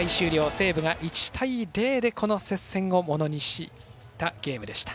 西武が１対０で、この接戦をものにしたゲームでした。